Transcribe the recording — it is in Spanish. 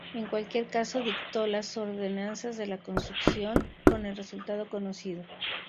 En cualquier caso, dictó las ordenanzas de la construcción, con el resultado conocido.